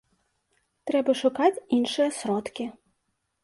Трэба шукаць іншыя сродкі.